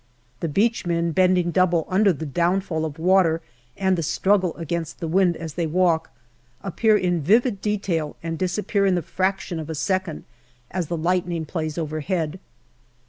The beach men, bending double under the downfall of water and the struggle against the wind as they walk, appear in vivid detail and disappear in the fraction of a second as the lightning plays overhead.